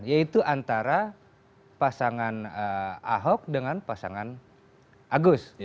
yaitu antara pasangan ahok dengan pasangan agus